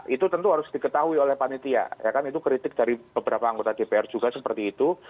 itu tentu harus diketahui oleh panitia ya kan itu kritik dari beberapa anggota dpr juga seperti itu